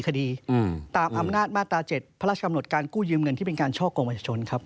คดีตามอำนาจมาตรา๗พระราชกำหนดการกู้ยืมเงินที่เป็นการช่อกงประชาชนครับ